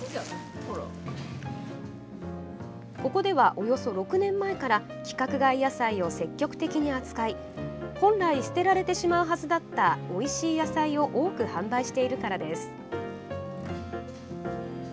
ここでは、およそ６年前から規格外野菜を積極的に扱い本来捨てられてしまうはずだったおいしい野菜を多く販売しているからです。